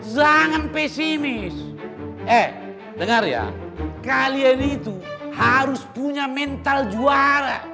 jangan pesimis eh dengar ya kalian itu harus punya mental juara